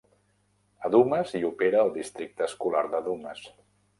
A Dumas hi opera el districte escolar de Dumas.